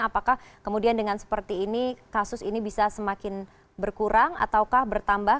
apakah kemudian dengan seperti ini kasus ini bisa semakin berkurang ataukah bertambah